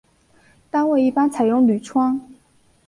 单位一般采用铝窗。